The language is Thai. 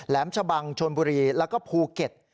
ชะบังชนบุรีแล้วก็ภูเก็ต